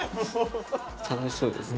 楽しそうですね。